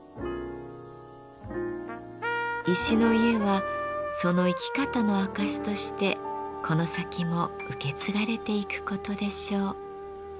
石の家はその生き方の証しとしてこの先も受け継がれていくことでしょう。